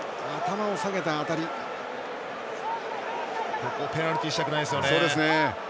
ここペナルティーしたくないですね。